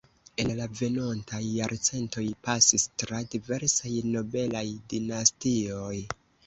En la venontaj jarcentoj pasis tra diversaj nobelaj dinastioj.